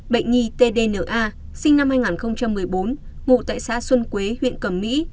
bệnh nhi tdna sinh năm hai nghìn một mươi bốn ngụ tại xã xuân quế huyện cẩm mỹ